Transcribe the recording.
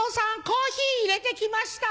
コーヒー入れて来ました。